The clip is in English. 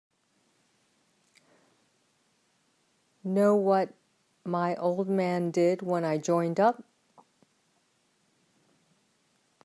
Know what my old man did when I joined up?